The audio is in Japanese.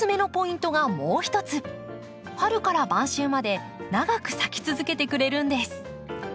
春から晩秋まで長く咲き続けてくれるんです。